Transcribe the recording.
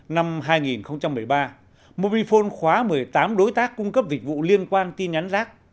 năm hai nghìn một mươi ba mobifone khóa một mươi tám đối tác cung cấp dịch vụ liên quan tin nhắn rác